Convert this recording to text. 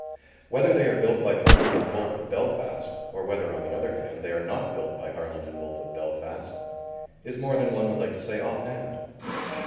Whether they are built by Harland and Wolff of Belfast, or whether, on the other hand, they are not built by Harland and Wolff of Belfast, is more than one would like to say offhand.